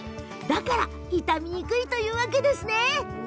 だから傷みにくいというわけですね。